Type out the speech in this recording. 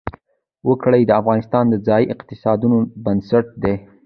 وګړي د افغانستان د ځایي اقتصادونو بنسټ دی.